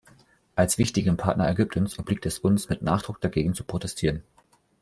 Als wichtigem Partner Ägyptens obliegt es uns, mit Nachdruck dagegen zu protestieren.